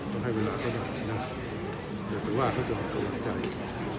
ต้องให้เวลาเข้าจันทร์อย่าปิดว่าเข้าจันทร์ก็ไม่จันทร์อีก